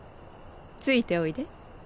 ついておいで。